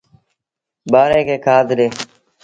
ٻآري کي کآڌ ڏي۔